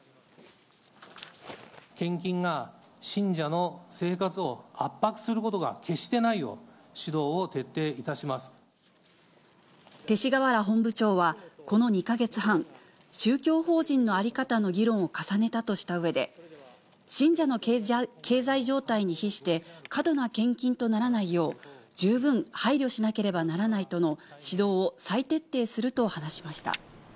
献金が信者の生活を圧迫することが決してないよう、指導を徹勅使河原本部長は、この２か月半、宗教法人の在り方の議論を重ねたとしたうえで、信者の経済状態に比して過度な献金とならないよう、十分配慮しなければならないとの指導を再徹底すると話しました。